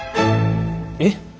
えっ。